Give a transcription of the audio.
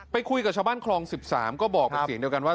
คุยกับชาวบ้านคลอง๑๓ก็บอกเป็นเสียงเดียวกันว่า